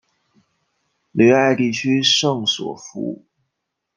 吕埃地区圣索弗。